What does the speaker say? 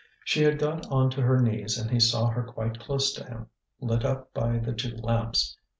She had got on to her knees and he saw her quite close to him, lit up by the two lamps.